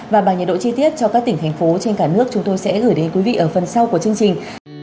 và bằng nhiệt độ chi tiết cho các tỉnh thành phố trên cả nước chúng tôi sẽ gửi đến quý vị ở phần sau của chương trình